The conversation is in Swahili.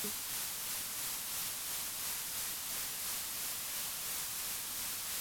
Dalili nyingine ya homa ya mapafu ni mnyama hutafuta kivuli